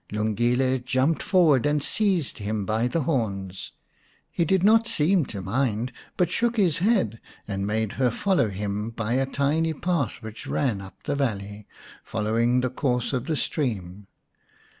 Lungile jumped forward and seized him by the horns. He did not seem to mind, but shook his head and made her follow him by a tiny path which ran up the valley, following the course of the stream.